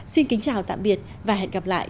xin kính chào tạm biệt và hẹn gặp lại